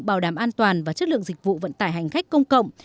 bảo đảm an toàn và chất lượng dịch vụ vận tải hành khách công cộng